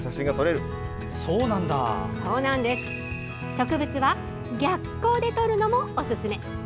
植物は逆光で撮るのもおすすめ。